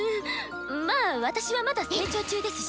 まぁ私はまだ成長中ですし？